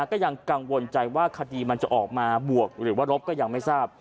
ก็ยังกังวลใจว่าคดีมันจะออกมาบวกหรือว่ารบก็ยังไม่ทราบ